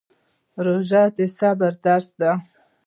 روژه د صبر درس دی